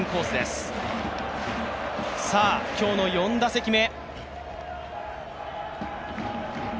さあ、今日の４打席目。